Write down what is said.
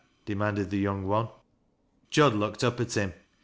demanded the young one. Jud looked up at him.